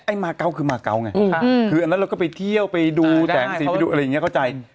มาเกาะคือมาเกาะไงคืออันนั้นเราก็ไปเที่ยวไปดูแสงสีไปดูอะไรอย่างนี้เข้าใจ